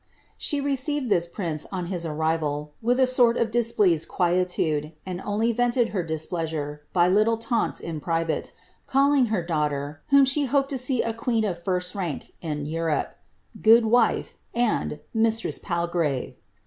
She received this prince, on his arrival, with a sort of dis pleased quietude, and only vented her displeasure by little taunts in private, calling her daughter, whom she had hoped to see • queen ot first rank in Europe, ^ Good wife,'' and ^ Mistress Palgrave."